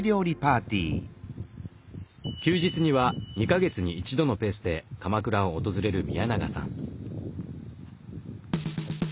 休日には２か月に一度のペースで鎌倉を訪れる宮永さん。